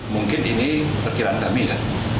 mungkin ini perkiraan kami ya